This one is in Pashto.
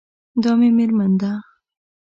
دا مې میرمن ده